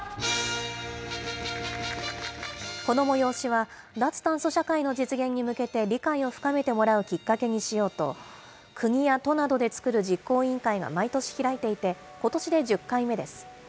この催しは、脱炭素社会の実現に向けて、理解を深めてもらうきっかけにしようと、国や都などで作る実行委員会が毎年開いていて、ことしで１０回目です。